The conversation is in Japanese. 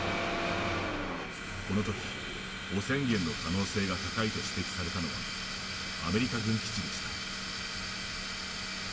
このとき、汚染源の可能性が高いと指摘されたのはアメリカ軍基地でした。